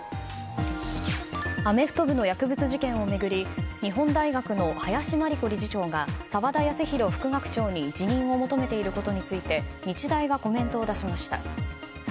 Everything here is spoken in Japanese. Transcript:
アメフト部の薬物事件を巡り日本大学の林真理子理事長が沢田康広副学長に辞任を求めていることについて日大がコメントを出しました。